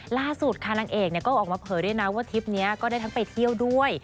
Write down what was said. ล่าสุดค่ะนางเอกก็ออกมาเผยด้วยนะว่าทริปนี้ก็ได้ทั้งไปเที่ยวด้วย